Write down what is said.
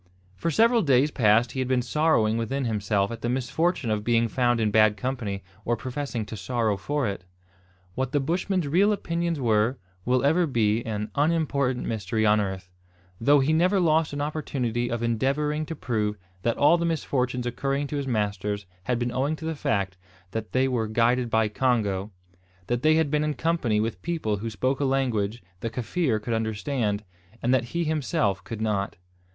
For several days past he had been sorrowing within himself at the misfortune of being found in bad company, or professing to sorrow for it. What the Bushman's real opinions were, will ever be an unimportant mystery on earth; though he never lost an opportunity of endeavouring to prove that all the misfortunes occurring to his masters had been owing to the fact that they were guided by Congo, that they had been in company with people who spoke a language the Kaffir could understand, and that he himself could not.